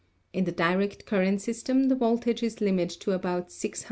In the direct current system the voltage is limited to about 600.